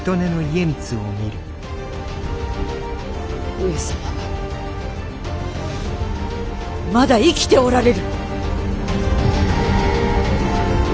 上様はまだ生きておられる。